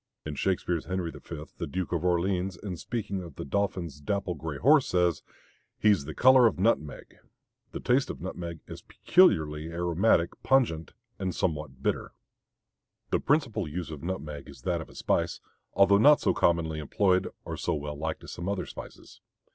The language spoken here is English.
In Shakespeare's Henry V. the Duke of Orleans, in speaking of the dauphin's dapple gray horse, says: "He's of the color of nutmeg." The taste of nutmeg is peculiarly aromatic, pungent, and somewhat bitter. The principal use of nutmeg is that of a spice, although not so commonly employed or so well liked as some other spices.